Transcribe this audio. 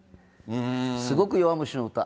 すごく弱虫の歌。